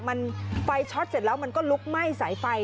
มันไฟช็อตเสร็จแล้วมันก็ลุกไหม้สายไฟ